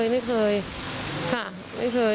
ไม่เคยค่ะไม่เคย